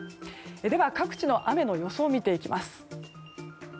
では各地の雨の予想を見ていきます。